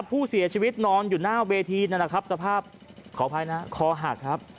ผู้เสียชีวิตนอนอยู่หน้าเวทีนั่นแหละครับสภาพขออภัยนะคอหักครับ